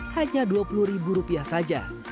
hanya dua puluh ribu rupiah saja